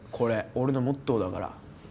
俺のモットーだから。